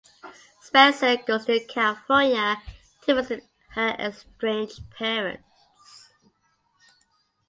Spenser goes to California to visit her estranged parents.